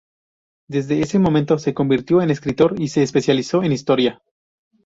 Desde ese momento, se convirtió en escritor y se especializó en historia.